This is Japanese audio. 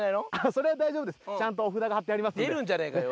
それは大丈夫ですちゃんとお札が貼ってありますんで出るんじゃねえかよ